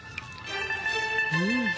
うん。